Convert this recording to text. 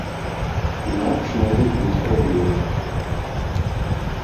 Інакш могуць быць праблемы.